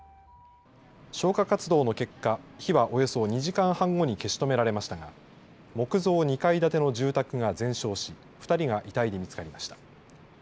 消火活動の結果火はおよそ２時間半後に消しとめられましたが木造２階建ての住宅が全焼し２人が遺体で見つかりました。